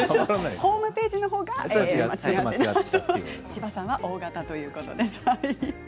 ホームページのほうが間違っていると千葉さんはＯ型ということです。